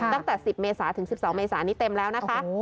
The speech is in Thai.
ตั้งแต่๑๐เมษาถึง๑๒เมษานี้เต็มแล้วนะคะ